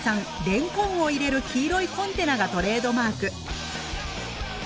レンコンを入れる黄色いコンテナがトレードマーク。